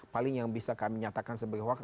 paling yang bisa kami nyatakan sebagai hoax